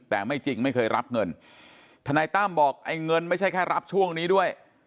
แต่ไม่จริงไม่เคยรับเงินทนายตั้มบอกไอ้เงินไม่ใช่แค่รับช่วงนี้ด้วย